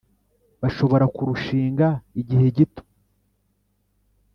bashobora kurushinga igihe gito